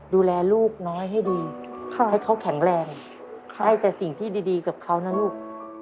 ดูแลลูกน้อยให้ดีให้เขาแข็งแรงให้แต่สิ่งที่ดีกับเขานะลูก